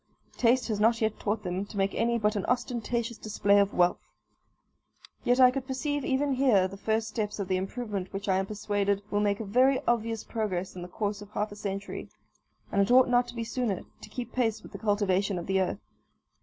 Taste has not yet taught them to make any but an ostentatious display of wealth. Yet I could perceive even here the first steps of the improvement which I am persuaded will make a very obvious progress in the course of half a century, and it ought not to be sooner, to keep pace with the cultivation of the earth.